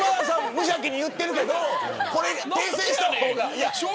無邪気に言ってるけどこれ、訂正した方が。